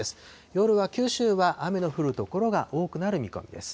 夜は九州は雨の降る所が多くなる見込みです。